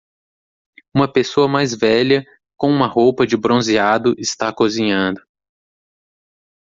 Uma pessoa mais velha com uma roupa de bronzeado está cozinhando.